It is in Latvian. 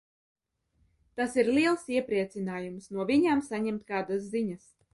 Tas ir liels iepriecinājums no viņām saņemt kādas ziņas.